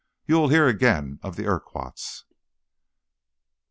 You will hear again of the Urquharts."